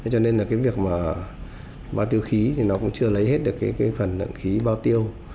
cho nên là cái việc mà bao tiêu khí thì nó cũng chưa lấy hết được cái phần lượng khí bao tiêu